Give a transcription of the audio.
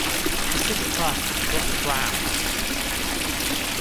The city clerk is Buster Brown.